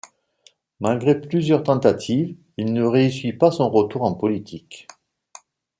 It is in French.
Malgré plusieurs tentatives, il ne réussit pas son retour en politique.